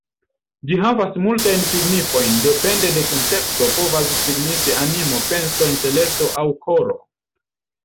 Ĝi havas multajn signifojn, depende de kunteksto, povas signifi ‘animo’, ‘penso’, ‘intelekto’ aŭ ‘koro’.